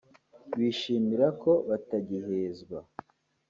Bishimira ko batagihezwa